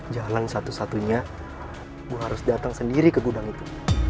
jalan satu satunya gue harus datang sendiri ke gudang itu